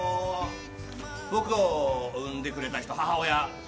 僕を生んでくれた人、母親。